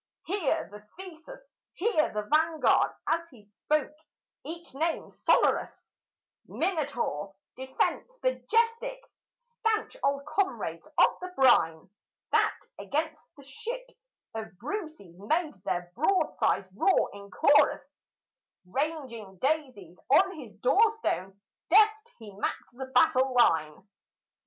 "Here, the Theseus here, the Vanguard;" as he spoke each name sonorous, Minotaur, Defence, Majestic, stanch old comrades of the brine, That against the ships of Brucys made their broadsides roar in chorus, Ranging daisies on his doorstone, deft he mapped the battle line.